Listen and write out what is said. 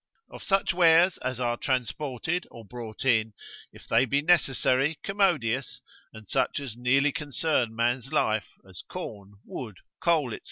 Of such wares as are transported or brought in, if they be necessary, commodious, and such as nearly concern man's life, as corn, wood, coal, &c.